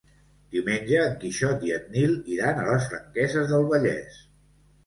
Diumenge en Quixot i en Nil iran a les Franqueses del Vallès.